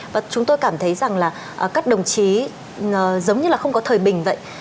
và chúng tôi cảm thấy rằng là các đồng chí giống như là không có thời bình vậy